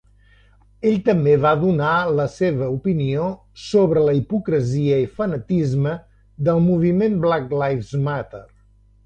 Ell també va donar la seva opinió sobre la hipocresia i fanatisme del moviment Black Lives Matter.